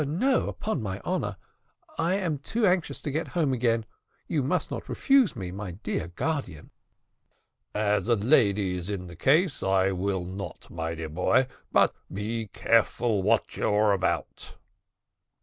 "No, upon my honour; I am too anxious to get home again. You must not refuse me, my dear guardian." "As a lady is in the case, I will not, my dear boy; but be careful what you are about."